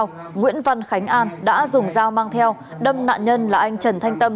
đối tượng nguyễn văn khánh an đã dùng dao mang theo đâm nạn nhân là anh trần thanh tâm